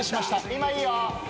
今いいよ。